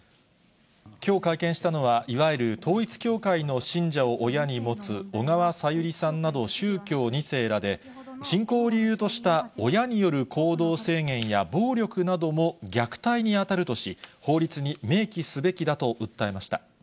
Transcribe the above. きょう会見したのは、いわゆる統一教会の信者を親に持つ小川さゆりさんなど宗教２世らで、信仰を理由とした親による行動制限や暴力なども虐待に当たるとし、法律に明記すべきだと訴えました。